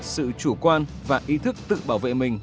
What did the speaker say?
sự chủ quan và ý thức tự bảo vệ mình